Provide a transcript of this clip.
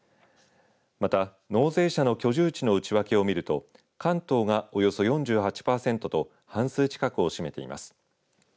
また、納税者の居住地の内訳をみると関東がおよそ４８パーセントと半数近くを占めています。